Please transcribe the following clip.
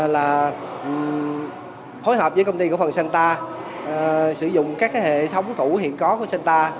là phối hợp với công ty cổ phần santa sử dụng các hệ thống tủ hiện có của santa